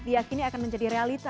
diakini akan menjadi realita